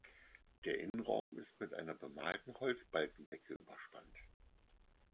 Der Innenraum ist mit einer bemalten Holzbalkendecke überspannt.